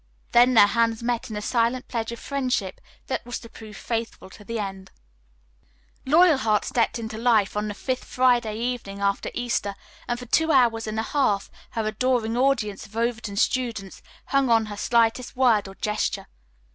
Then their hands met in a silent pledge of friendship that was to prove faithful to the end. Loyalheart stepped into life on the fifth Friday evening after Easter and for two hours and a half her adoring audience of Overton students hung on her slightest word or gesture.